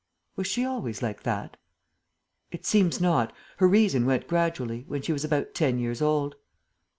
"Was she always like that?" "It seems not. Her reason went gradually, when she was about ten years old."